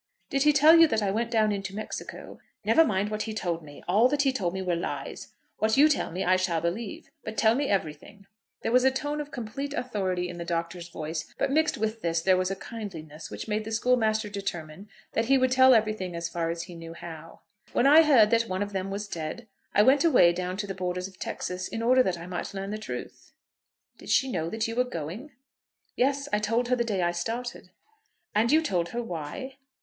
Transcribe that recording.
"Did he tell you that I went down into Mexico?" "Never mind what he told me. All that he told me were lies. What you tell me I shall believe. But tell me everything." There was a tone of complete authority in the Doctor's voice, but mixed with this there was a kindliness which made the schoolmaster determined that he would tell everything as far as he knew how. "When I heard that one of them was dead, I went away down to the borders of Texas, in order that I might learn the truth." "Did she know that you were going?" "Yes; I told her the day I started." "And you told her why?"